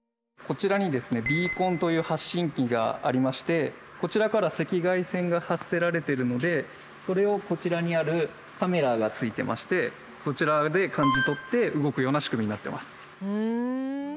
こちらにですね「ビーコン」という発信器がありましてこちらから赤外線が発せられてるのでそれをこちらにあるカメラがついてましてそちらで感じ取って動くような仕組みになってます。